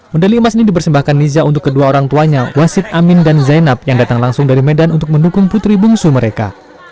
medali emas ini dipersembahkan niza untuk kedua orang tuanya wasid amin dan zainab yang datang langsung dari medan untuk mendukung putri bungsu mereka